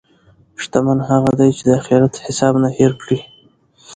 شتمن هغه دی چې د اخرت حساب نه هېر کړي.